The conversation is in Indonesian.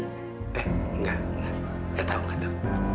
eh nggak nggak tahu nggak tahu